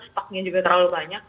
stoknya juga terlalu banyak